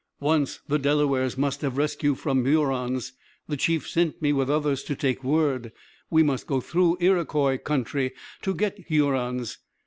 "Once the Delawares must have rescue from the Hurons. A chief sent me with others to take word. We must go through Iroquois country to get Hurons.